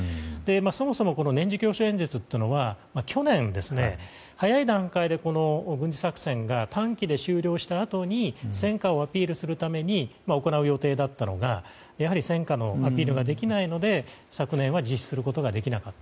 そもそも年次教書演説というのは去年、早い段階で軍事作戦が短期で終了したあとに戦果をアピールするために行う予定だったのが、やはり戦果のアピールができないので昨年は実施することができなかった。